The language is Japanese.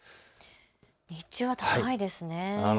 日中は高いですね。